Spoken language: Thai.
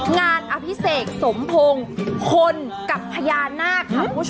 อภิเษกสมพงศ์คนกับพญานาคค่ะคุณผู้ชม